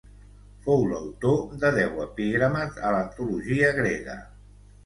Fou l'autor de deu epigrames a l'antologia grega.